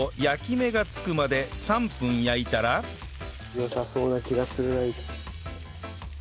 良さそうな気がする。